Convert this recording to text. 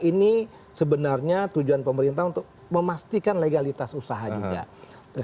ini sebenarnya tujuan pemerintah untuk memastikan legalitas usaha juga